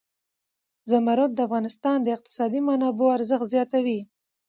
زمرد د افغانستان د اقتصادي منابعو ارزښت زیاتوي.